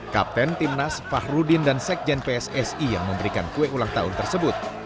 kapten timnas fahrudin dan sekjen pssi yang memberikan kue ulang tahun tersebut